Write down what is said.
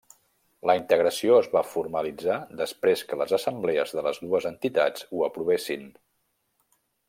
La integració es va formalitzar després que les assemblees de les dues entitats ho aprovessin.